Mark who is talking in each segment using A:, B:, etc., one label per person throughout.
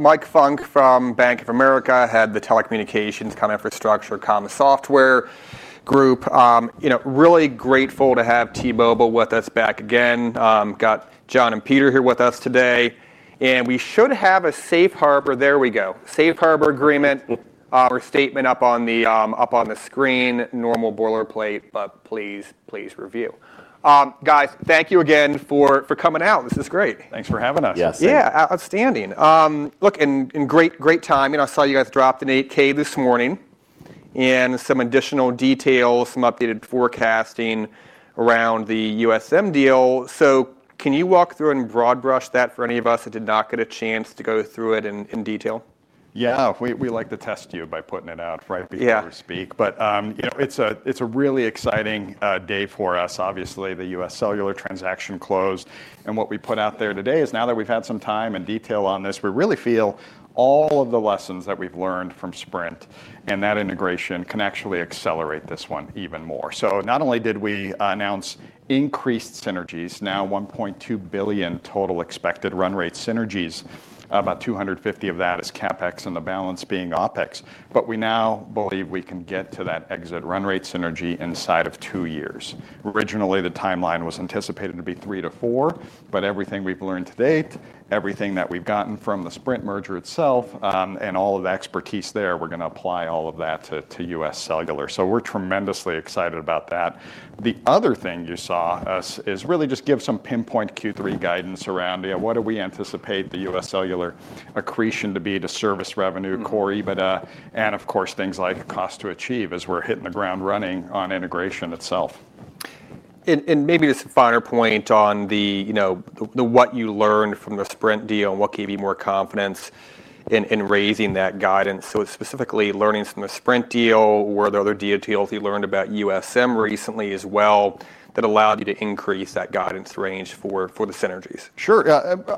A: Mike Funk from Bank of America, head of the telecommunications, kind of, infrastructure, comm software group. You know, really grateful to have T-Mobile with us back again. Got John and Peter here with us today, and we should have a safe harbor. There we go, safe harbor agreement or statement up on the screen. Normal boilerplate, but please, please review. Guys, thank you again for coming out. This is great.
B: Thanks for having us.
C: Yes.
A: Yeah, outstanding. Look, and great, great timing. I saw you guys dropped an 8-K this morning, and some additional details, some updated forecasting around the USM deal. So can you walk through and broad brush that for any of us that did not get a chance to go through it in detail?
B: Yeah. We like to test you by putting it out right before-
A: Yeah
B: We speak. But, you know, it's a really exciting day for us. Obviously, the UScellular transaction closed, and what we put out there today is now that we've had some time and detail on this, we really feel all of the lessons that we've learned from Sprint and that integration can actually accelerate this one even more. So not only did we announce increased synergies, now $1.2 billion total expected run rate synergies, about $250 million of that is CapEx and the balance being OpEx, but we now believe we can get to that exit run rate synergy inside of two years. Originally, the timeline was anticipated to be three to four, but everything we've learned to date, everything that we've gotten from the Sprint merger itself, and all of the expertise there, we're gonna apply all of that to, to UScellular. So we're tremendously excited about that. The other thing you saw us- is really just give some pinpoint Q3 guidance around, yeah, what do we anticipate the UScellular accretion to be to service revenue, Corey? But, and of course, things like cost to achieve, as we're hitting the ground running on integration itself.
A: And maybe just a finer point on the, you know, what you learned from the Sprint deal and what gave you more confidence in raising that guidance. So specifically, learnings from the Sprint deal. Were there other deals you learned about USM recently as well that allowed you to increase that guidance range for the synergies?
B: Sure.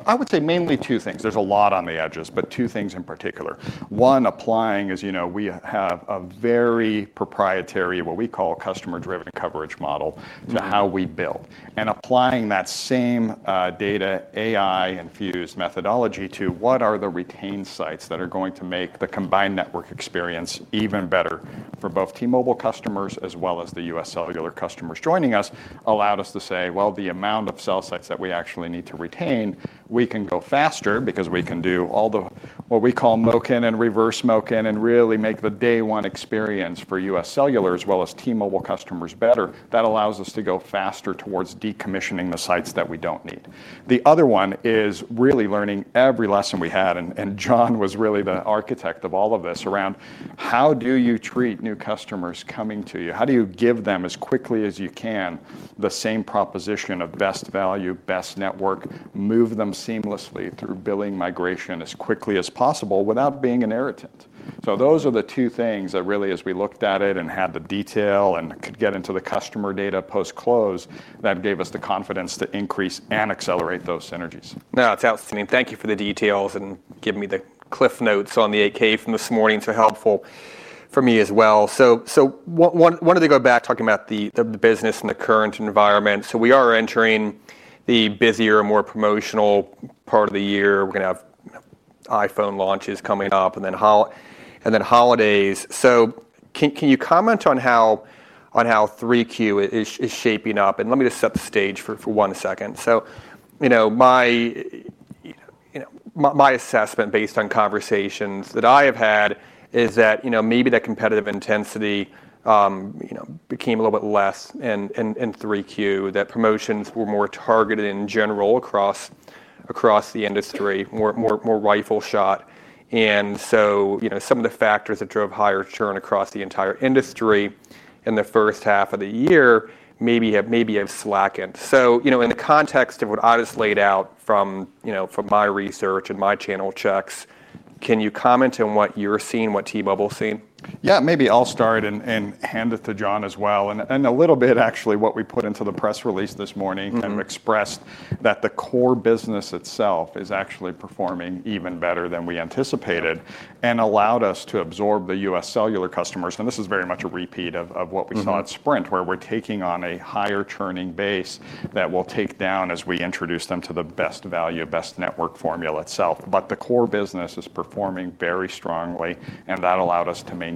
B: I would say mainly two things. There's a lot on the edges, but two things in particular. One, applying, as you know, we have a very proprietary, what we call, customer-driven coverage model- To how we build. Applying that same data, AI-infused methodology to what are the retained sites that are going to make the combined network experience even better for both T-Mobile customers as well as the UScellular customers joining us allowed us to say, "Well, the amount of cell sites that we actually need to retain, we can go faster," because we can do all the, what we call, MOCN and reverse MOCN and really make the day one experience for UScellular as well as T-Mobile customers better. That allows us to go faster towards decommissioning the sites that we don't need. The other one is really learning every lesson we had, and John was really the architect of all of this, around how do you treat new customers coming to you? How do you give them, as quickly as you can, the same proposition of best value, best network, move them seamlessly through billing migration as quickly as possible, without being an irritant? So those are the two things that really, as we looked at it and had the detail and could get into the customer data post-close, that gave us the confidence to increase and accelerate those synergies.
A: No, it's outstanding. Thank you for the details, and giving me the cliff notes on the 8-K from this morning that's helpful for me as well. What I wanted to go back to talking about the business and the current environment. We are entering the busier, more promotional part of the year. We're gonna have iPhone launches coming up, and then holidays. Can you comment on how 3Q is shaping up? Let me just set the stage for one second. You know, my assessment, based on conversations that I have had, is that, you know, maybe the competitive intensity became a little bit less in 3Q, that promotions were more targeted in general across the industry, more rifle shot. And so, you know, some of the factors that drove higher churn across the entire industry in the first half of the year maybe have, maybe have slackened. So, you know, in the context of what I just laid out, you know, from my research and my channel checks, can you comment on what you're seeing, what T-Mobile's seeing?
B: Yeah, maybe I'll start and hand it to John as well, and a little bit actually what we put into the press release this morning. and expressed that the core business itself is actually performing even better than we anticipated, and allowed us to absorb the UScellular customers. And this is very much a repeat of, of what we saw- At Sprint, where we're taking on a higher churning base that we'll take down as we introduce them to the best value, best network formula itself. But the core business is performing very strongly, and that allowed us to maintain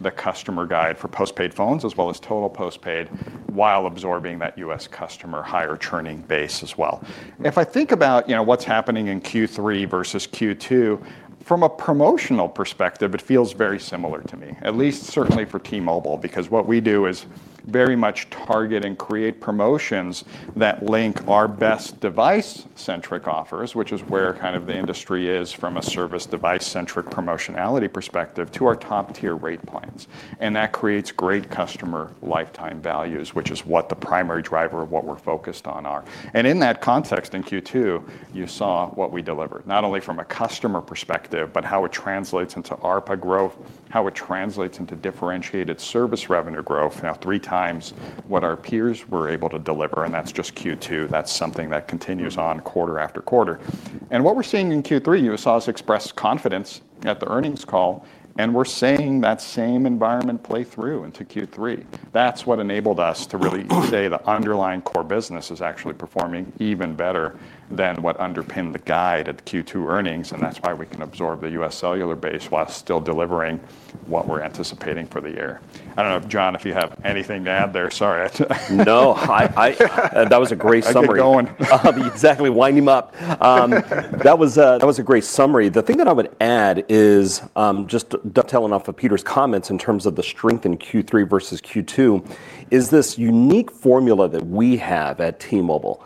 B: the customer guidance for postpaid phones as well as total postpaid, while absorbing that UScellular higher churning base as well. If I think about, you know, what's happening in Q3 versus Q2, from a promotional perspective, it feels very similar to me, at least certainly for T-Mobile. Because what we do is very much target and create promotions that link our best device-centric offers, which is where, kind of, the industry is from a service device-centric promotionality perspective, to our top-tier rate plans. And that creates great customer lifetime values, which is what the primary driver of what we're focused on are. And in that context, in Q2, you saw what we delivered, not only from a customer perspective, but how it translates into ARPA growth, how it translates into differentiated service revenue growth, now three times what our peers were able to deliver, and that's just Q2. That's something that continues on- Quarter after quarter. And what we're seeing in Q3, you saw us express confidence at the earnings call, and we're seeing that same environment play through into Q3. That's what enabled us to really say the underlying core business is actually performing even better than what underpinned the guide at the Q2 earnings, and that's why we can absorb the UScellular base while still delivering what we're anticipating for the year. I don't know if, John, you have anything to add there. Sorry,
C: No, that was a great summary.
B: I'll get going.
C: Exactly, wind him up. That was a great summary. The thing that I would add is just dovetailing off of Peter's comments in terms of the strength in Q3 versus Q2, is this unique formula that we have at T-Mobile,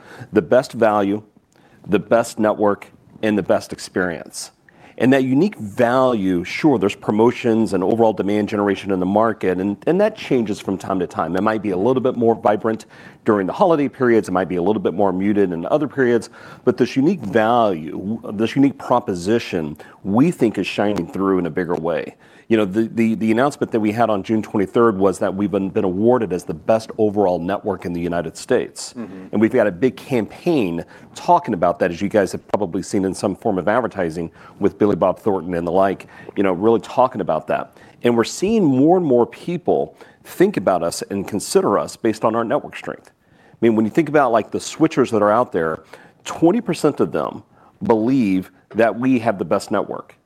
C: the best network and the best experience. And that unique value, sure, there's promotions and overall demand generation in the market, and that changes from time to time. It might be a little bit more vibrant during the holiday periods, it might be a little bit more muted in other periods. But this unique value, this unique proposition, we think is shining through in a bigger way. You know, the announcement that we had on June 23rd was that we've been awarded as the best overall network in the United States. And we've got a big campaign talking about that, as you guys have probably seen in some form of advertising with Billy Bob Thornton and the like. You know, really talking about that. And we're seeing more and more people think about us and consider us based on our network strength. I mean, when you think about, like, the switchers that are out there, 20% of them believe that we have the best network.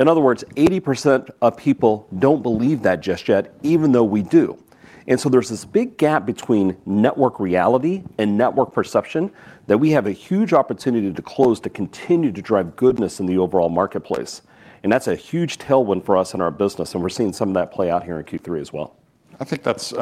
C: In other words, 80% of people don't believe that just yet, even though we do. And so there's this big gap between network reality and network perception, that we have a huge opportunity to close to continue to drive goodness in the overall marketplace, and that's a huge tailwind for us in our business, and we're seeing some of that play out here in Q3 as well.
B: I think that's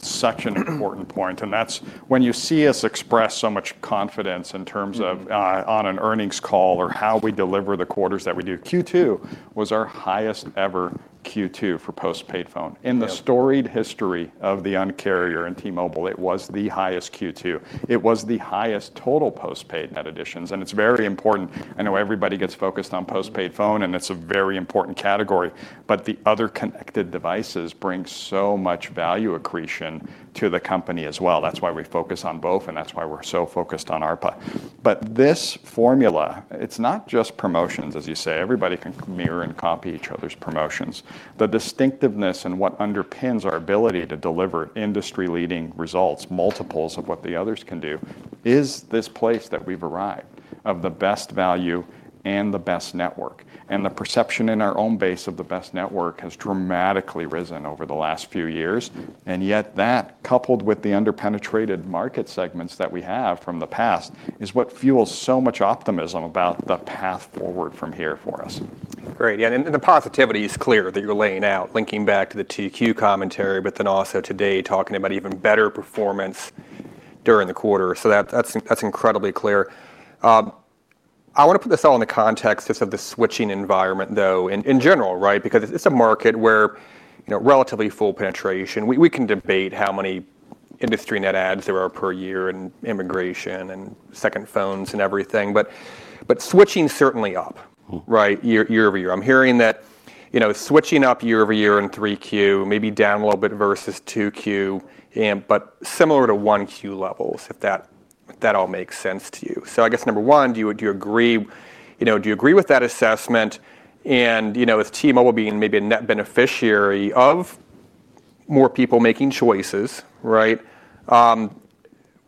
B: such an important point, and that's when you see us express so much confidence in terms of. On an earnings call or how we deliver the quarters that we do. Q2 was our highest ever Q2 for postpaid phone.
C: Yeah.
B: In the storied history of the Un-carrier and T-Mobile, it was the highest Q2. It was the highest total post-paid net additions, and it's very important. I know everybody gets focused on post-paid phone, and it's a very important category, but the other connected devices bring so much value accretion to the company as well. That's why we focus on both, and that's why we're so focused on ARPA. But this formula, it's not just promotions, as you say. Everybody can mirror and copy each other's promotions. The distinctiveness and what underpins our ability to deliver industry-leading results, multiples of what the others can do, is this place that we've arrived, of the best value and the best network. The perception in our own base of the best network has dramatically risen over the last few years. And yet that, coupled with the under-penetrated market segments that we have from the past, is what fuels so much optimism about the path forward from here for us.
A: Great, yeah, and the positivity is clear that you're laying out, linking back to the 2Q commentary, but then also today talking about even better performance during the quarter. So that's incredibly clear. I wanna put this all in the context just of the switching environment, though, in general, right? Because it's a market where, you know, relatively full penetration. We can debate how many industry net adds there are per year, and immigration, and second phones and everything, but switching's certainly up- Right, year over year. I'm hearing that, you know, switching up year over year in 3Q, maybe down a little bit versus 2Q, and but similar to 1Q levels, if that, if that all makes sense to you. So I guess, number one, do you, do you agree, you know, do you agree with that assessment? And, you know, with T-Mobile being maybe a net beneficiary of more people making choices, right,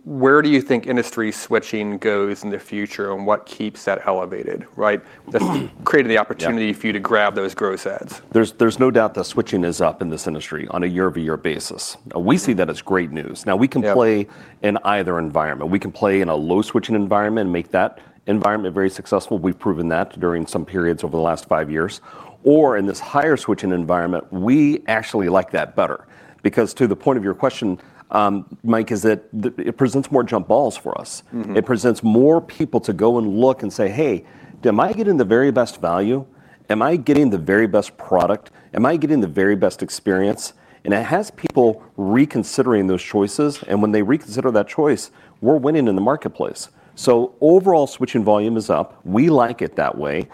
A: where do you think industry switching goes in the future, and what keeps that elevated, right? That's created the opportunity-
C: Yeah
A: For you to grab those gross adds.
C: There's no doubt that switching is up in this industry on a year-over-year basis. We see that as great news.
A: Yeah.
C: Now, we can play in either environment. We can play in a low-switching environment and make that environment very successful. We've proven that during some periods over the last five years. Or in this higher-switching environment, we actually like that better. Because to the point of your question, Mike, is that it presents more jump balls for us. It presents more people to go and look and say, "Hey, am I getting the very best value? Am I getting the very best product? Am I getting the very best experience?" And it has people reconsidering those choices, and when they reconsider that choice, we're winning in the marketplace. So overall, switching volume is up. We like it that way.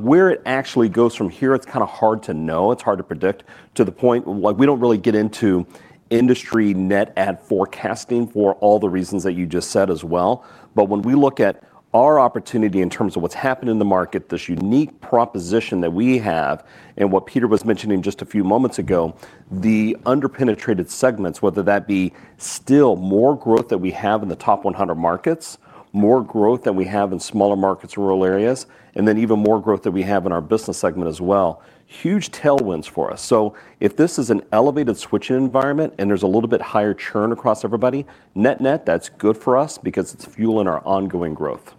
C: Where it actually goes from here, it's kind of hard to know. It's hard to predict, to the point, like, we don't really get into industry net add forecasting for all the reasons that you just said as well. But when we look at our opportunity in terms of what's happened in the market, this unique proposition that we have, and what Peter was mentioning just a few moments ago, the under-penetrated segments, whether that be still more growth that we have in the top 100 markets, more growth than we have in smaller markets, rural areas, and then even more growth that we have in our business segment as well, huge tailwinds for us. So if this is an elevated switching environment, and there's a little bit higher churn across everybody, net-net, that's good for us because it's fueling our ongoing growth.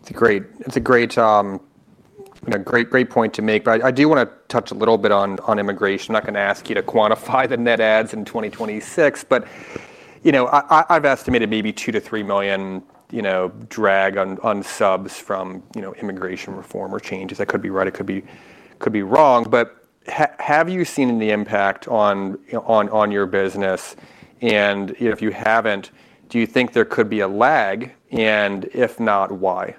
A: It's a great point to make. But I do wanna touch a little bit on immigration. I'm not gonna ask you to quantify the net adds in 2026, but you know, I've estimated maybe two to three million, you know, drag on subs from you know, immigration reform or changes. I could be right, I could be wrong. But have you seen the impact on your business?
C: Yeah.
A: If you haven't, do you think there could be a lag, and if not, why?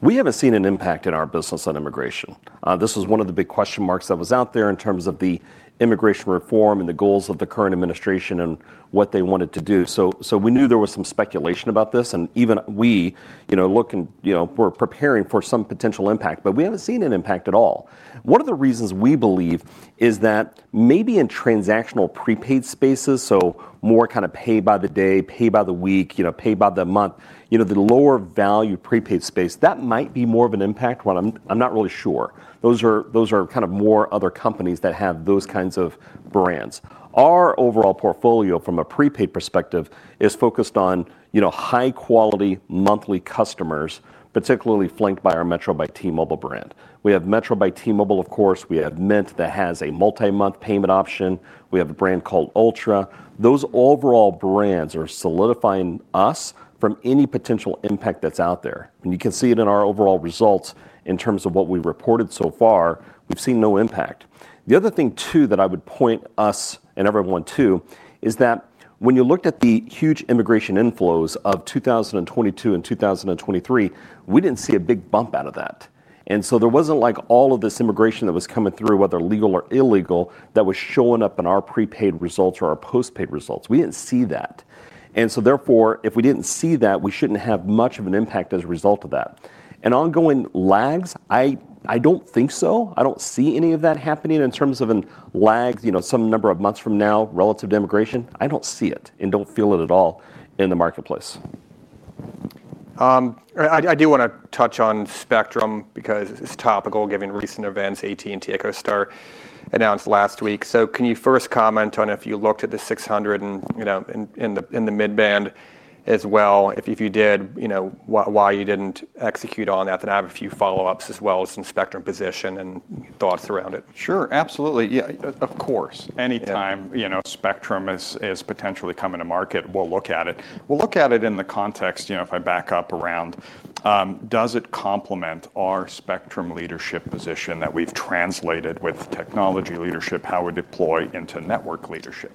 C: We haven't seen an impact in our business on immigration. This was one of the big question marks that was out there in terms of the immigration reform and the goals of the current administration and what they wanted to do. So we knew there was some speculation about this, and even we, you know, look and, you know, we're preparing for some potential impact, but we haven't seen an impact at all. One of the reasons, we believe, is that maybe in transactional prepaid spaces, so more kind of pay by the day, pay by the week, you know, pay by the month, you know, the lower value prepaid space, that might be more of an impact one. I'm not really sure. Those are kind of more other companies that have those kinds of brands. Our overall portfolio from a prepaid perspective is focused on, you know, high-quality monthly customers, particularly flanked by our Metro by T-Mobile brand. We have Metro by T-Mobile, of course, we have Mint that has a multi-month payment option. We have a brand called Ultra. Those overall brands are solidifying us from any potential impact that's out there, and you can see it in our overall results in terms of what we've reported so far. We've seen no impact. The other thing, too, that I would point us and everyone to, is that when you looked at the huge immigration inflows of 2022 and 2023, we didn't see a big bump out of that, so there wasn't like all of this immigration that was coming through, whether legal or illegal, that was showing up in our prepaid results or our postpaid results. We didn't see that. So therefore, if we didn't see that, we shouldn't have much of an impact as a result of that. Ongoing lags, I don't think so. I don't see any of that happening in terms of a lag, you know, some number of months from now, relative to immigration. I don't see it and don't feel it at all in the marketplace.
A: I do want to touch on spectrum because it's topical, given recent events. AT&T, EchoStar announced last week. So can you first comment on if you looked at the 600 and, you know, in the mid-band as well? If you did, you know, why you didn't execute on that? Then I have a few follow-ups, as well, some spectrum position and thoughts around it. Sure. Absolutely. Yeah, of course. Yeah.
B: Anytime, you know, spectrum is potentially coming to market, we'll look at it. We'll look at it in the context, you know, if I back up around, does it complement our spectrum leadership position that we've translated with technology leadership, how we deploy into network leadership?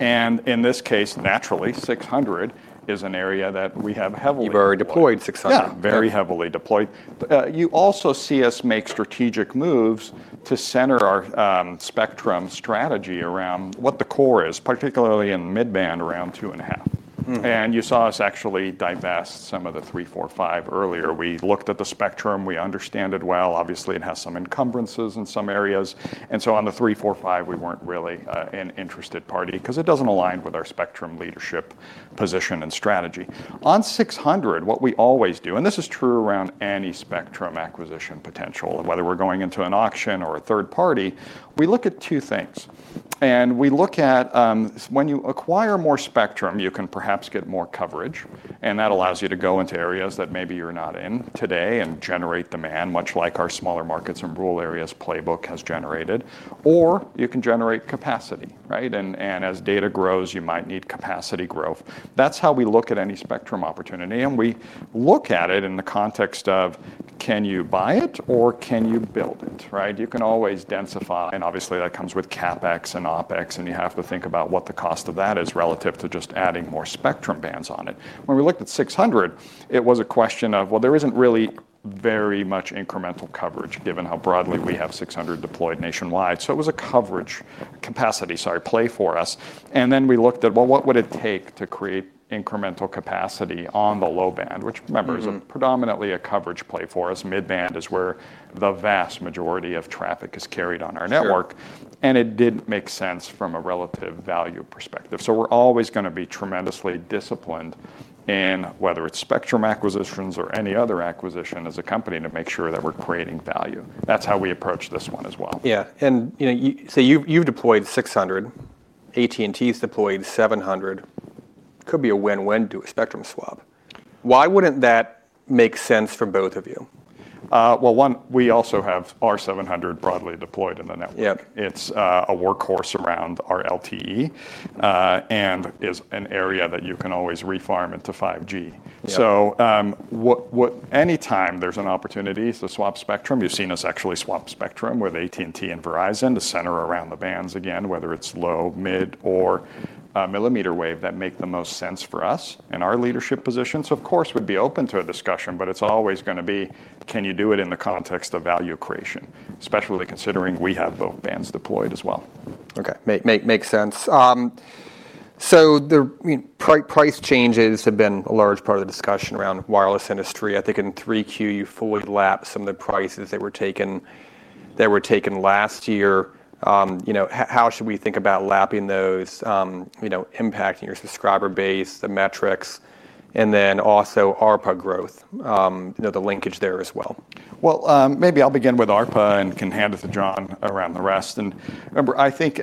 B: And in this case, naturally, 600 is an area that we have heavily deployed.
A: You've already deployed 600.
B: Yeah, very heavily deployed. But, you also see us make strategic moves to center our spectrum strategy around what the core is, particularly in mid-band, around two and a half. You saw us actually divest some of the three, four, five earlier. We looked at the spectrum. We understand it well. Obviously, it has some encumbrances in some areas, and so on the three, four, five, we weren't really an interested party, 'cause it doesn't align with our spectrum leadership position and strategy. On 600, what we always do, and this is true around any spectrum acquisition potential, whether we're going into an auction or a third party, we look at two things. We look at when you acquire more spectrum, you can perhaps get more coverage, and that allows you to go into areas that maybe you're not in today and generate demand, much like our smaller markets and rural areas playbook has generated. Or you can generate capacity, right? As data grows, you might need capacity growth. That's how we look at any spectrum opportunity, and we look at it in the context of, can you buy it or can you build it, right? You can always densify, and obviously, that comes with CapEx and OpEx, and you have to think about what the cost of that is relative to just adding more spectrum bands on it. When we looked at 600, it was a question of, well, there isn't really very much incremental coverage, given how broadly we have 600 deployed nationwide. So it was a coverage... capacity, sorry, play for us. And then we looked at, well, what would it take to create incremental capacity on the low band, which remember- Is predominantly a coverage play for us. Mid-band is where the vast majority of traffic is carried on our network.
A: Sure.
B: It didn't make sense from a relative value perspective. We're always gonna be tremendously disciplined in whether it's spectrum acquisitions or any other acquisition as a company, to make sure that we're creating value. That's how we approach this one as well.
A: Yeah, and, you know, so you've deployed 600, AT&T's deployed 700. Could be a win-win, do a spectrum swap. Why wouldn't that make sense for both of you?
B: Well, one, we also have our 700 broadly deployed in the network.
A: Yep.
B: It's a workhorse around our LTE, and is an area that you can always refarm into 5G.
A: Yep.
B: Any time there's an opportunity to swap spectrum, you've seen us actually swap spectrum with AT&T and Verizon to center around the bands again, whether it's low, mid, or millimeter wave, that make the most sense for us and our leadership positions. Of course, we'd be open to a discussion, but it's always gonna be, can you do it in the context of value creation? Especially considering we have both bands deployed as well.
A: Okay. Makes sense. So the, you know, price changes have been a large part of the discussion around wireless industry. I think in 3Q, you fully lapped some of the prices that were taken last year. You know, how should we think about lapping those, you know, impacting your subscriber base, the metrics, and then also ARPA growth, you know, the linkage there as well?
B: Maybe I'll begin with ARPA and can hand it to John around the rest. Remember, I think,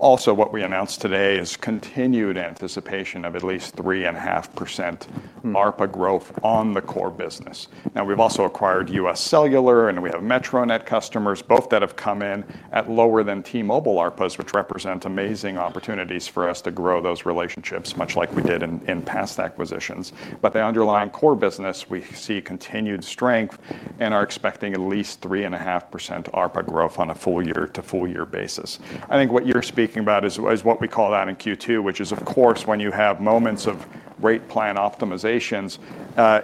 B: also what we announced today is continued anticipation of at least 3.5%- ARPA growth on the core business. Now, we've also acquired UScellular, and we have MetroNet customers, both that have come in at lower than T-Mobile ARPAs, which represent amazing opportunities for us to grow those relationships, much like we did in past acquisitions. But the underlying core business, we see continued strength and are expecting at least 3.5% ARPA growth on a full-year-to-full-year basis. I think what you're speaking about is what we call out in Q2, which is, of course, when you have moments of rate plan optimizations,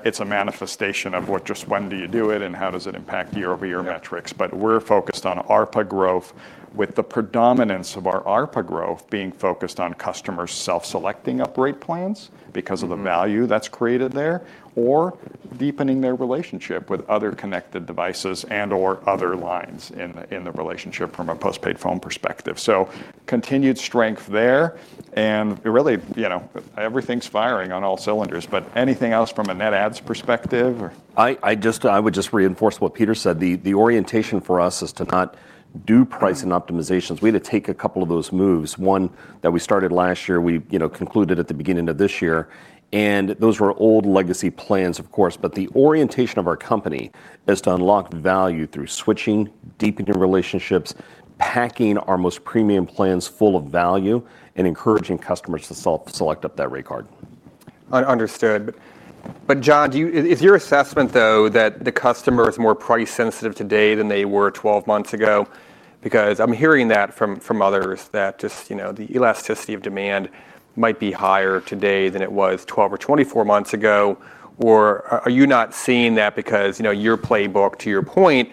B: it's a manifestation of what just when do you do it, and how does it impact year-over-year metrics?
A: Yeah.
B: But we're focused on ARPA growth, with the predominance of our ARPA growth being focused on customers self-selecting up rate plans- Because of the value that's created there, or deepening their relationship with other connected devices and/or other lines in the, in the relationship from a postpaid phone perspective. So continued strength there, and it really, you know, everything's firing on all cylinders. But anything else from a net adds perspective, or?
C: I would just reinforce what Peter said. The orientation for us is to not do pricing optimizations. We had to take a couple of those moves. One that we started last year, you know, concluded at the beginning of this year, and those were old legacy plans, of course. But the orientation of our company is to unlock value through switching, deepening relationships, packing our most premium plans full of value, and encouraging customers to self-select up that rate card.
A: Understood. But, John, is your assessment, though, that the customer is more price-sensitive today than they were 12 months ago? Because I'm hearing that from others, that just, you know, the elasticity of demand might be higher today than it was 12 or 24 months ago. Or are you not seeing that because, you know, your playbook, to your point,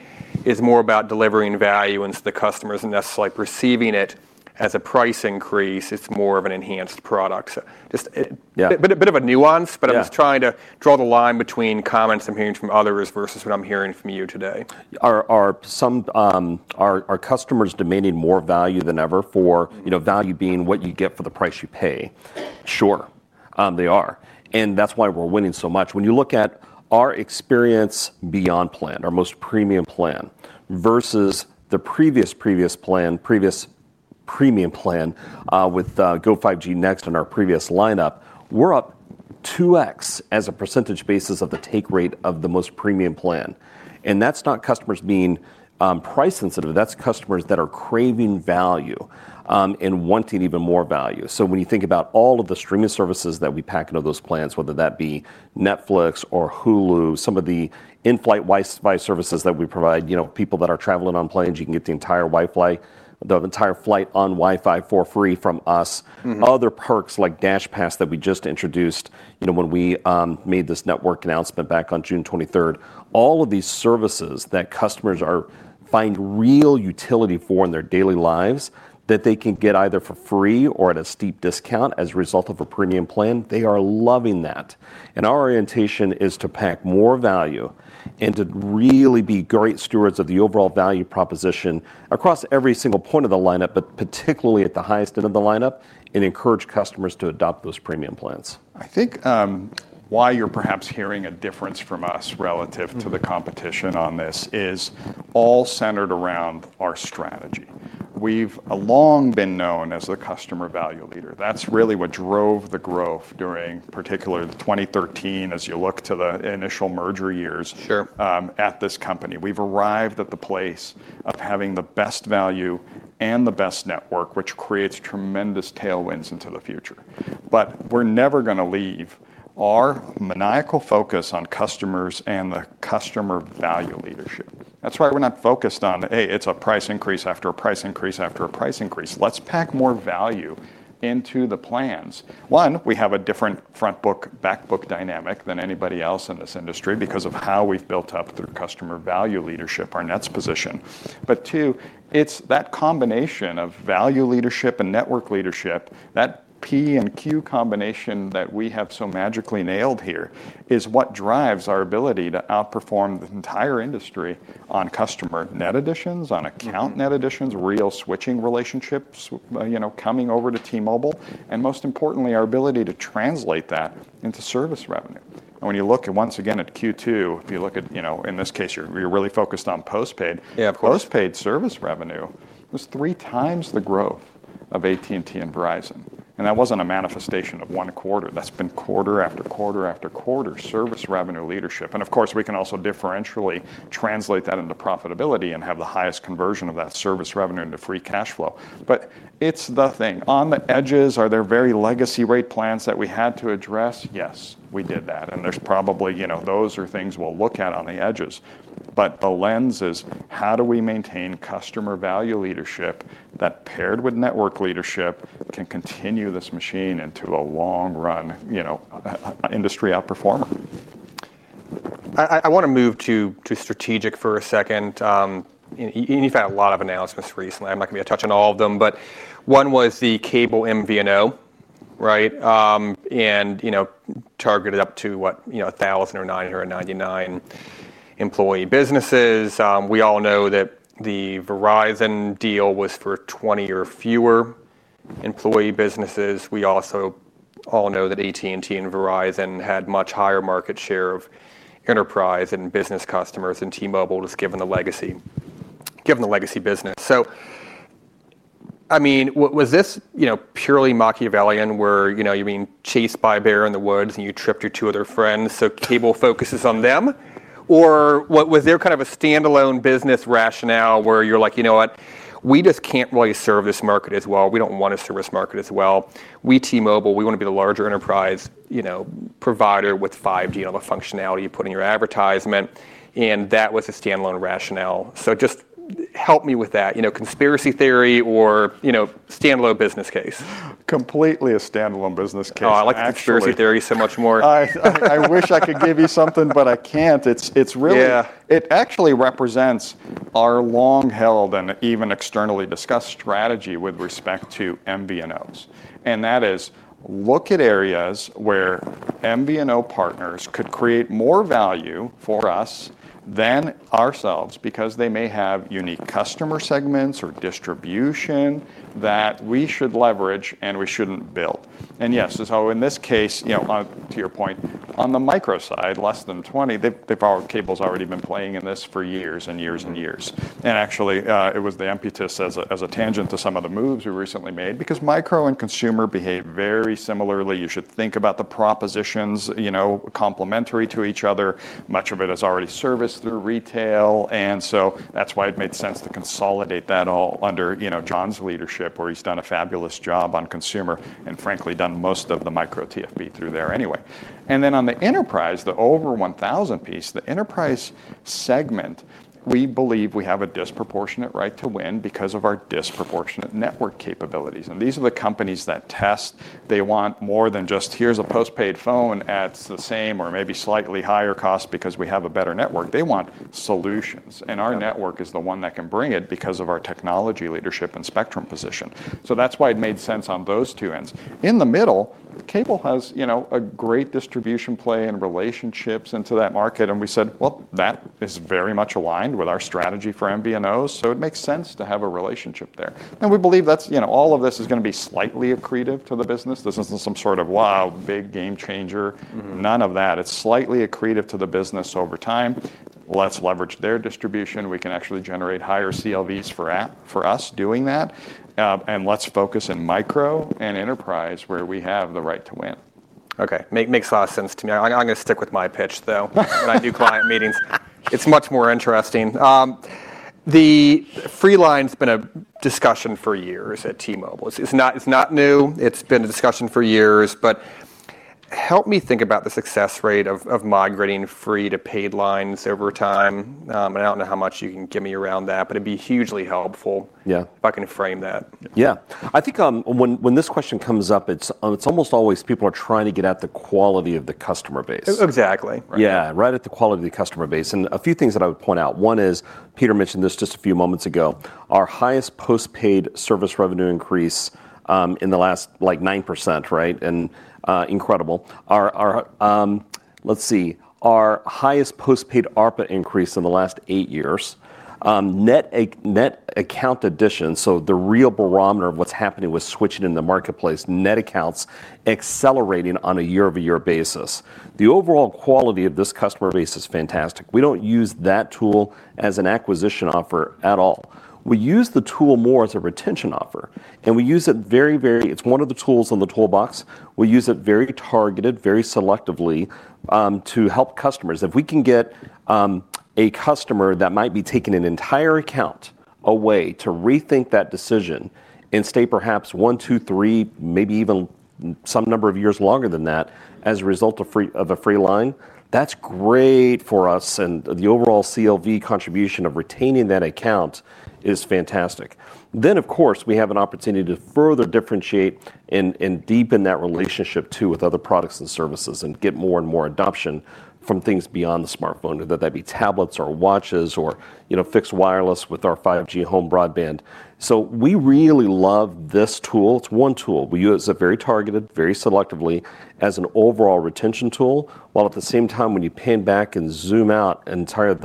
A: is more about delivering value, and so the customer isn't necessarily perceiving it as a price increase, it's more of an enhanced product? So just, it-
C: Yeah.
A: A bit of a nuance- Yeah. But I'm just trying to draw the line between comments I'm hearing from others versus what I'm hearing from you today.
C: Are some customers demanding more value than ever for. You know, value being what you get for the price you pay? Sure, they are, and that's why we're winning so much. When you look at our Experience Beyond plan, our most premium plan, versus the previous, previous plan, previous premium plan, with Go5G Next on our previous lineup, we're up 2X as a percentage basis of the take rate of the most premium plan. And that's not customers being price-sensitive. That's customers that are craving value and wanting even more value. So when you think about all of the streaming services that we pack into those plans, whether that be Netflix or Hulu, some of the in-flight Wi-Fi services that we provide, you know, people that are traveling on planes, you can get the entire Wi-Fi, the entire flight on Wi-Fi for free from us. Other perks, like DashPass, that we just introduced, you know, when we made this network announcement back on June 23rd. All of these services that customers find real utility for in their daily lives, that they can get either for free or at a steep discount as a result of a premium plan, they are loving that. And our orientation is to pack more value and to really be great stewards of the overall value proposition across every single point of the lineup, but particularly at the highest end of the lineup, and encourage customers to adopt those premium plans.
B: I think, why you're perhaps hearing a difference from us relative To the competition on this is all centered around our strategy. We've long been known as the customer value leader. That's really what drove the growth during, particularly, the 2013, as you look to the initial merger years.
C: Sure
B: At this company. We've arrived at the place of having the best value and the best network, which creates tremendous tailwinds into the future. But we're never gonna leave our maniacal focus on customers and the customer value leadership. That's why we're not focused on, "Hey, it's a price increase after a price increase after a price increase." Let's pack more value into the plans. One, we have a different front-book, back-book dynamic than anybody else in this industry because of how we've built up the customer value leadership, our NPS position. But two, it's that combination of value leadership and network leadership, that P and Q combination that we have so magically nailed here, is what drives our ability to outperform the entire industry on customer net additions, on account. net additions, real switching relationships, you know, coming over to T-Mobile, and most importantly, our ability to translate that into service revenue. And when you look at, once again, at Q2, if you look at, you know, in this case, you're really focused on postpaid.
C: Yeah, of course.
B: Postpaid service revenue was three times the growth of AT&T and Verizon, and that wasn't a manifestation of one quarter. That's been quarter after quarter after quarter, service revenue leadership. And of course, we can also differentially translate that into profitability and have the highest conversion of that service revenue into free cash flow. But it's the thing. On the edges, are there very legacy rate plans that we had to address? Yes, we did that, and there's probably, you know, those are things we'll look at on the edges. But the lens is, how do we maintain customer value leadership that, paired with network leadership, can continue this machine into a long-run, you know, industry outperformer?
A: I wanna move to strategic for a second. You and you've had a lot of announcements recently. I'm not gonna be able to touch on all of them, but one was the cable MVNO, right? And you know, targeted up to, what, you know, 1,000 or 999 employee businesses. We all know that the Verizon deal was for 20 or fewer employee businesses. We also all know that AT&T and Verizon had much higher market share of enterprise and business customers, and T-Mobile was given the legacy business. So I mean, was this, you know, purely Machiavellian, where, you know, you're being chased by a bear in the woods, and you tripped your two other friends, so cable focuses on them? Or was there kind of a standalone business rationale, where you're like, "You know what? We just can't really serve this market as well. We don't want to serve this market as well. We, T-Mobile, we wanna be the larger enterprise, you know, provider with 5G," you know, the functionality you put in your advertisement, and that was the standalone rationale? So just, help me with that, you know, conspiracy theory or, you know, standalone business case.
B: Completely a standalone business case.
C: Oh, I like the.
B: Actually
C: Conspiracy theory so much more.
B: I wish I could give you something, but I can't. It's really-
C: Yeah
B: It actually represents our long-held and even externally discussed strategy with respect to MVNOs, and that is, look at areas where MVNO partners could create more value for us than ourselves because they may have unique customer segments or distribution that we should leverage, and we shouldn't build.... And yes, so in this case, you know, on, to your point, on the Metro side, less than twenty, they've, Cable's already been playing in this for years and years and years. And actually, it was the impetus as a tangent to some of the moves we recently made, because Metro and consumer behave very similarly. You should think about the propositions, you know, complementary to each other. Much of it is already serviced through retail, and so that's why it made sense to consolidate that all under, you know, John's leadership, where he's done a fabulous job on consumer, and frankly, done most of the Micro, T-Fiber through there anyway. And then on the enterprise, the over one thousand piece, the enterprise segment, we believe we have a disproportionate right to win because of our disproportionate network capabilities. And these are the companies that test. They want more than just, "Here's a postpaid phone at the same or maybe slightly higher cost because we have a better network." They want solutions, and our network is the one that can bring it because of our technology, leadership, and spectrum position. So that's why it made sense on those two ends. In the middle, Cable has, you know, a great distribution play and relationships into that market, and we said, "Well, that is very much aligned with our strategy for MVNOs, so it makes sense to have a relationship there." And we believe that's, you know, all of this is gonna be slightly accretive to the business. This isn't some sort of, wow, big game changer. None of that. It's slightly accretive to the business over time. Let's leverage their distribution. We can actually generate higher CLVs for app, for us doing that, and let's focus in micro and enterprise, where we have the right to win.
A: Okay, makes a lot of sense to me. I'm gonna stick with my pitch, though when I do client meetings. It's much more interesting. The free line's been a discussion for years at T-Mobile. It's not new, but help me think about the success rate of migrating free to paid lines over time, and I don't know how much you can give me around that, but it'd be hugely helpful.
C: Yeah.
A: If I can frame that.
C: Yeah. I think, when this question comes up, it's almost always people are trying to get at the quality of the customer base.
A: Exactly.
C: Yeah, right at the quality of the customer base, and a few things that I would point out: One is, Peter mentioned this just a few moments ago, our highest post-paid service revenue increase in the last, like, 9%, right? And incredible. Our highest post-paid ARPA increase in the last eight years. Net account addition, so the real barometer of what's happening with switching in the marketplace, net accounts accelerating on a year-over-year basis. The overall quality of this customer base is fantastic. We don't use that tool as an acquisition offer at all. We use the tool more as a retention offer, and we use it very, very. It's one of the tools in the toolbox. We use it very targeted, very selectively, to help customers. If we can get a customer that might be taking an entire account away, to rethink that decision and stay perhaps one, two, three, maybe even some number of years longer than that, as a result of a free line, that's great for us, and the overall CLV contribution of retaining that account is fantastic. Then, of course, we have an opportunity to further differentiate and deepen that relationship, too, with other products and services and get more and more adoption from things beyond the smartphone, whether that be tablets or watches or, you know, fixed wireless with our 5G home broadband. So we really love this tool. It's one tool. We use it very targeted, very selectively, as an overall retention tool, while at the same time, when you pan back and zoom out and survey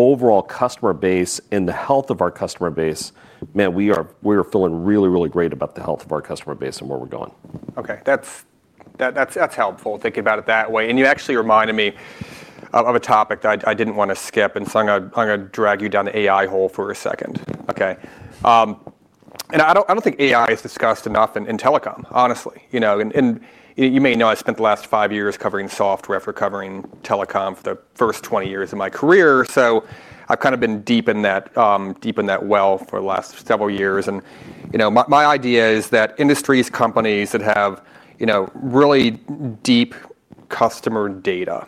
C: the overall customer base and the health of our customer base, man, we are, we are feeling really, really great about the health of our customer base and where we're going.
A: Okay, that's helpful, thinking about it that way. And you actually reminded me of a topic that I didn't want to skip, and so I'm gonna drag you down the AI hole for a second, okay? And I don't think AI is discussed enough in telecom, honestly. You know, you may know, I spent the last five years covering software after covering telecom for the first twenty years of my career, so I've kind of been deep in that, deep in that well for the last several years. And, you know, my idea is that industries, companies that have, you know, really deep customer data,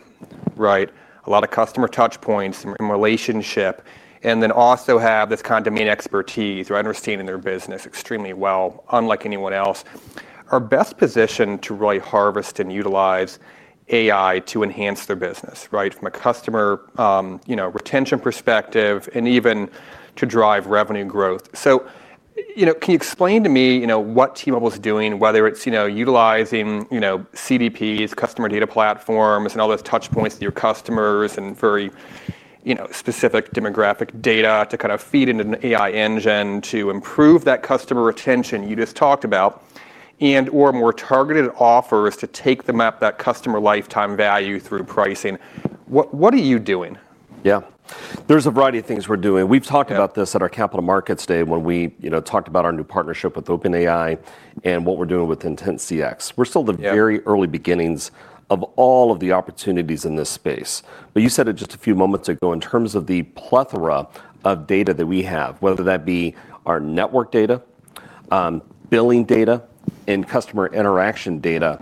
A: right? A lot of customer touch points and relationship, and then also have this kind of domain expertise, or understanding their business extremely well, unlike anyone else, are best positioned to really harvest and utilize AI to enhance their business, right? From a customer, you know, retention perspective, and even to drive revenue growth. So, you know, can you explain to me, you know, what T-Mobile's doing, whether it's, you know, utilizing, you know, CDPs, customer data platforms, and all those touch points to your customers and very, you know, specific demographic data to kind of feed into an AI engine to improve that customer retention you just talked about, and/or more targeted offers to take them up that customer lifetime value through pricing. What, what are you doing?
C: Yeah. There's a variety of things we're doing.
A: Yeah.
C: We've talked about this at our capital markets day when we, you know, talked about our new partnership with OpenAI and what we're doing with IntentCX.
A: Yeah.
C: We're still the very early beginnings of all of the opportunities in this space. But you said it just a few moments ago, in terms of the plethora of data that we have, whether that be our network data, billing data, and customer interaction data,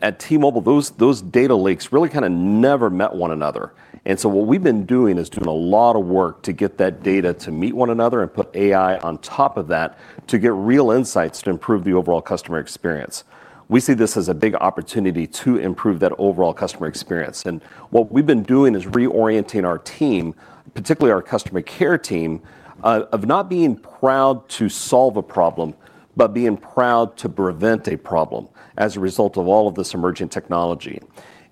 C: at T-Mobile, those data lakes really kind of never met one another. And so what we've been doing is doing a lot of work to get that data to meet one another and put AI on top of that, to get real insights to improve the overall customer experience. We see this as a big opportunity to improve that overall customer experience. And what we've been doing is reorienting our team, particularly our customer care team, of not being proud to solve a problem, but being proud to prevent a problem as a result of all of this emerging technology.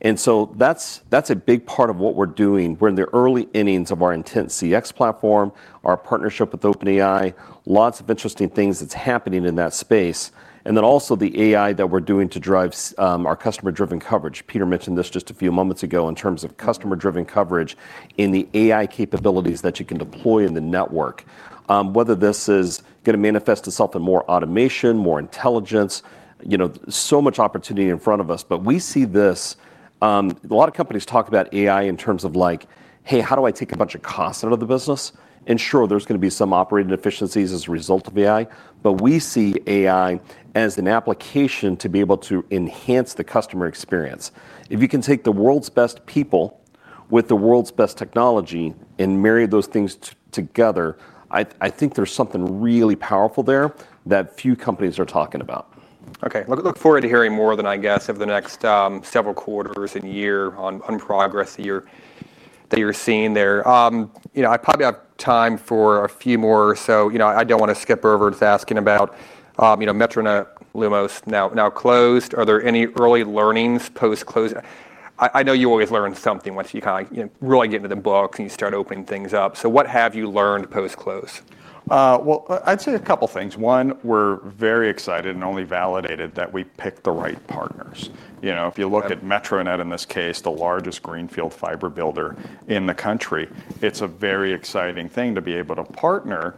C: And so that's a big part of what we're doing. We're in the early innings of our IntentCX platform, our partnership with OpenAI, lots of interesting things that's happening in that space. And then also the AI that we're doing to drive our customer-driven coverage. Peter mentioned this just a few moments ago in terms of customer-driven coverage in the AI capabilities that you can deploy in the network. Whether this is gonna manifest itself in more automation, more intelligence, you know, so much opportunity in front of us. But we see this, a lot of companies talk about AI in terms of like, "Hey, how do I take a bunch of costs out of the business?" And sure, there's gonna be some operating efficiencies as a result of AI, but we see AI as an application to be able to enhance the customer experience. If you can take the world's best people with the world's best technology and marry those things together, I think there's something really powerful there that few companies are talking about.
A: Okay. Look forward to hearing more then, I guess, over the next several quarters and year on progress that you're seeing there. You know, I probably have time for a few more, so, you know, I don't wanna skip over asking about, you know, MetroNet, Lumos now closed. Are there any early learnings post-close? I know you always learn something once you kind of, you know, really get into the books, and you start opening things up. So what have you learned post-close?
B: Well, I'd say a couple things. One, we're very excited and only validated that we picked the right partners. You know, if you look at.
A: Yep
B: MetroNet in this case, the largest greenfield fiber builder in the country. It's a very exciting thing to be able to partner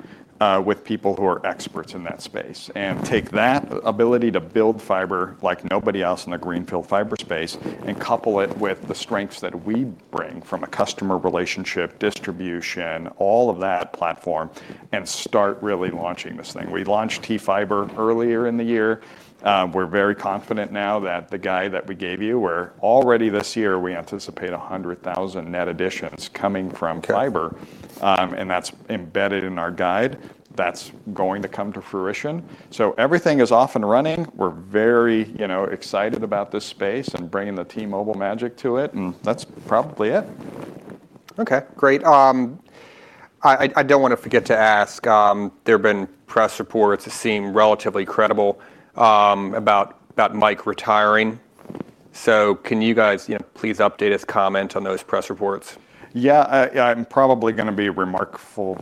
B: with people who are experts in that space and take that ability to build fiber like nobody else in the greenfield fiber space and couple it with the strengths that we bring from a customer relationship, distribution, all of that platform, and start really launching this thing. We launched T-Fiber earlier in the year. We're very confident now that the guide that we gave you, where already this year we anticipate 100,000 net additions coming from fiber.
A: Okay.
B: That's embedded in our guide. That's going to come to fruition, so everything is off and running. We're very, you know, excited about this space and bringing the T-Mobile magic to it, and that's probably it.
A: Okay, great. I don't wanna forget to ask, there have been press reports that seem relatively credible, about Mike retiring. So can you guys, you know, please update us, comment on those press reports?
B: Yeah, I'm probably gonna be remarkably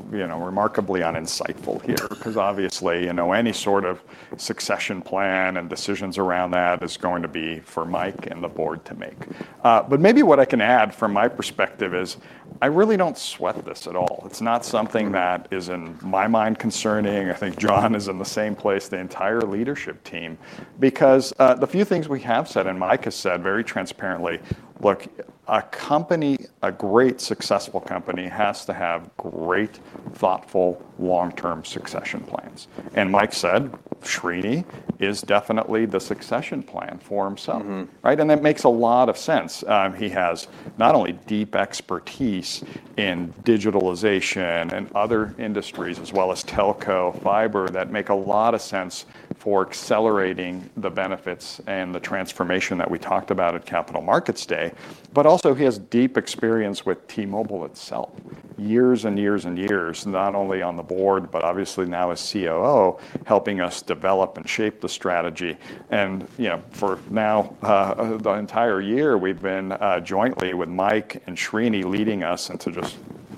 B: uninsightful here. 'Cause obviously, you know, any sort of succession plan and decisions around that is going to be for Mike and the board to make. But maybe what I can add from my perspective is, I really don't sweat this at all. It's not something that is, in my mind, concerning. I think John is in the same place, the entire leadership team. Because the few things we have said, and Mike has said very transparently, look, a company, a great, successful company, has to have great, thoughtful, long-term succession plans. And Mike said, Srini is definitely the succession plan for himself. Right? And it makes a lot of sense. He has not only deep expertise in digitalization and other industries, as well as telco, fiber, that make a lot of sense for accelerating the benefits and the transformation that we talked about at Capital Markets Day, but also, he has deep experience with T-Mobile itself. Years and years and years, not only on the board, but obviously now as COO, helping us develop and shape the strategy. And, you know, for now, the entire year, we've been, jointly with Mike and Srini leading us to just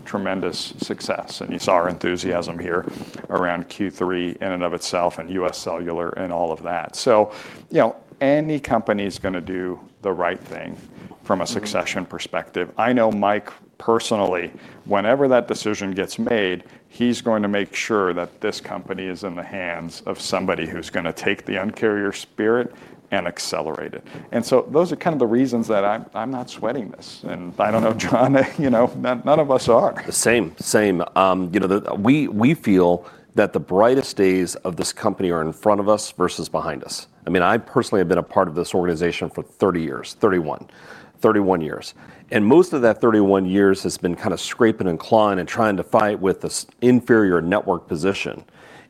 B: tremendous success, and you saw our enthusiasm here around Q3 in and of itself and UScellular and all of that. So, you know, any company's gonna do the right thing from a succession perspective. I know Mike personally. Whenever that decision gets made, he's going to make sure that this company is in the hands of somebody who's gonna take the Un-carrier spirit and accelerate it. And so those are kind of the reasons that I'm not sweating this, and I don't know, John, you know, none of us are.
C: The same, same. You know, we feel that the brightest days of this company are in front of us versus behind us. I mean, I personally have been a part of this organization for 30 years, 31. 31 years, and most of that 31 years has been kind of scraping and clawing and trying to fight with this inferior network position.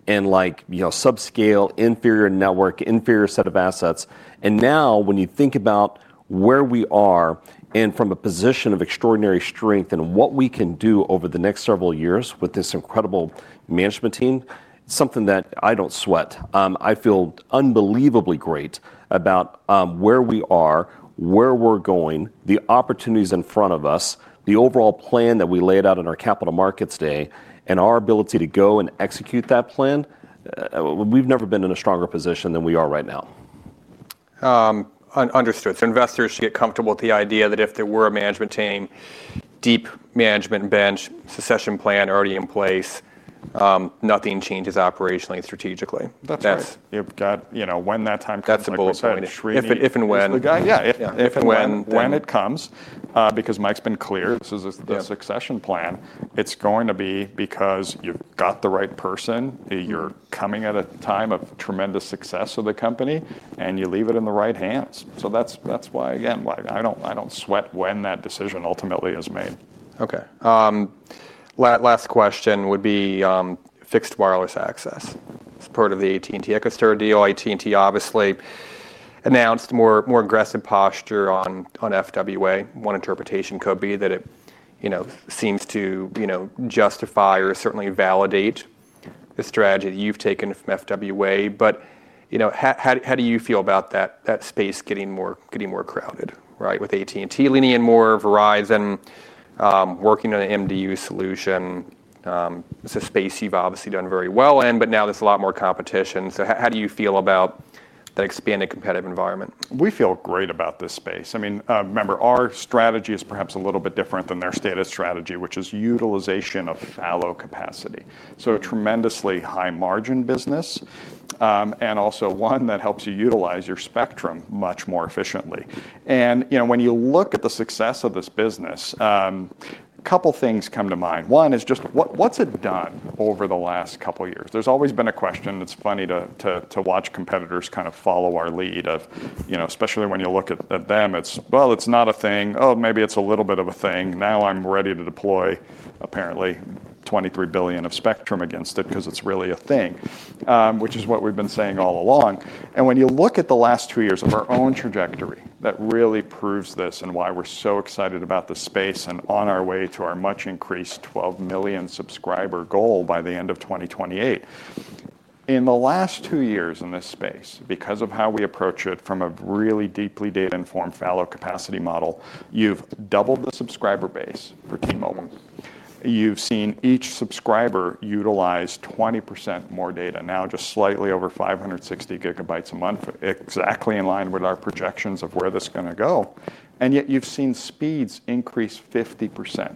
C: And like, you know, subscale, inferior network, inferior set of assets, and now when you think about where we are and from a position of extraordinary strength and what we can do over the next several years with this incredible management team, something that I don't sweat. I feel unbelievably great about where we are, where we're going, the opportunities in front of us, the overall plan that we laid out in our Capital Markets Day, and our ability to go and execute that plan. We've never been in a stronger position than we are right now.
A: Understood. Investors should get comfortable with the idea that if there were a management team, deep management bench, succession plan already in place, nothing changes operationally, strategically.
B: That's right.
A: That's
B: You've got. You know, when that time comes-
A: That's the bullet point.
B: Like we said, Srini-
A: If and when.
B: Yeah.
A: Yeah. If and when.
B: If and when it comes, because Mike's been clear, this is the.
A: Yeah
B: Succession plan, it's going to be because you've got the right person. You're coming at a time of tremendous success of the company, and you leave it in the right hands, so that's, that's why, again, why I don't, I don't sweat when that decision ultimately is made.
A: Okay, last question would be, fixed wireless access. It's part of the AT&T EchoStar deal. AT&T obviously announced more aggressive posture on FWA. One interpretation could be that it, you know, seems to, you know, justify or certainly validate the strategy you've taken from FWA. But, you know, how do you feel about that space getting more crowded, right? With AT&T leaning in more, Verizon working on an MDU solution. It's a space you've obviously done very well in, but now there's a lot more competition. So how do you feel about that expanded competitive environment?
B: We feel great about this space. I mean, remember, our strategy is perhaps a little bit different than their stated strategy, which is utilization of fallow capacity. So a tremendously high-margin business, and also one that helps you utilize your spectrum much more efficiently, and you know, when you look at the success of this business, couple things come to mind. One is just what's it done over the last couple years? There's always been a question, it's funny to watch competitors kind of follow our lead of, you know, especially when you look at them, it's, "Well, it's not a thing. Oh, maybe it's a little bit of a thing." Now I'm ready to deploy apparently 23 billion of spectrum against it, 'cause it's really a thing, which is what we've been saying all along. When you look at the last two years of our own trajectory, that really proves this and why we're so excited about the space and on our way to our much increased 12 million subscriber goal by the end of 2028. In the last two years in this space, because of how we approach it from a really deeply data-informed fallow capacity model, you've doubled the subscriber base for T-Mobile. You've seen each subscriber utilize 20% more data, now just slightly over 560 gigabytes a month, exactly in line with our projections of where this is gonna go. And yet you've seen speeds increase 50%.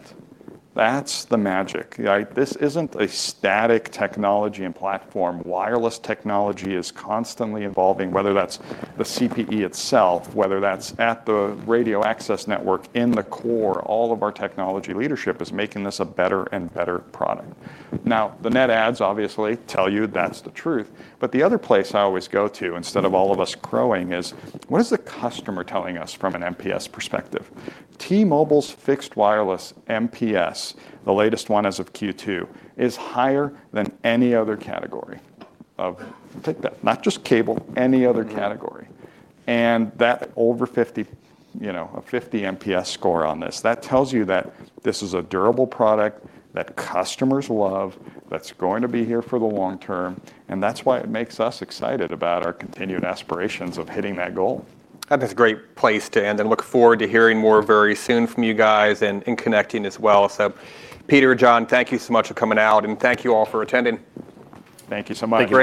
B: That's the magic, right? This isn't a static technology and platform. Wireless technology is constantly evolving, whether that's the CPE itself, whether that's at the radio access network in the core, all of our technology leadership is making this a better and better product. Now, the net adds obviously tell you that's the truth, but the other place I always go to, instead of all of us crowing, is: What is the customer telling us from an NPS perspective? T-Mobile's fixed wireless NPS, the latest one as of Q2, is higher than any other category of. Take that, not just cable, any other category. That over 50, you know, a 50 NPS score on this, that tells you that this is a durable product that customers love, that's going to be here for the long term, and that's why it makes us excited about our continued aspirations of hitting that goal.
A: That's a great place to end, and look forward to hearing more very soon from you guys and connecting as well. So Peter, John, thank you so much for coming out, and thank you all for attending.
B: Thank you so much.
C: Thank you.